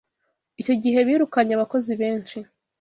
Icyo gihe birukanye abakozi benshi